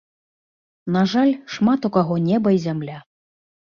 На жаль, шмат у каго неба і зямля.